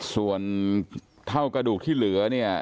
ส่วนเท่ากระดูกที่เหลือเนี่ย